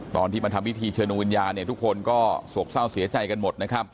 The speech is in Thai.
ตอนที่มาทำวิธีเชิญลงวิญญาณทุกคนก็สวกเศร้าเสียใจกันหมด